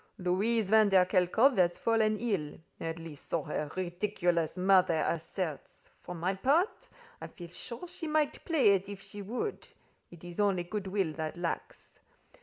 "Louise Vanderkelkov has fallen ill—at least so her ridiculous mother asserts; for my part, I feel sure she might play if she would: it is only good will that lacks.